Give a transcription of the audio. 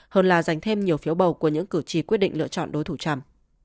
hơn là giành thêm nhiều phiếu bầu của những cử tri quyết định lựa chọn đối thủ chậm